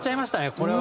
これは。